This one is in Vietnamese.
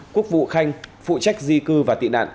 quốc vụ khanh phụ trách di cư và tị nạn